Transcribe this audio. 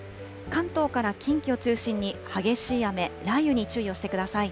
関東から近畿を中心に激しい雨、雷雨に注意をしてください。